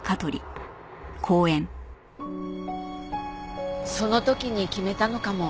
その時に決めたのかも。